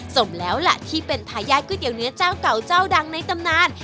สมแล้วล่ะที่เป็นทายาทก๋วเตี๋เนื้อเจ้าเก่าเจ้าดังในตำนาน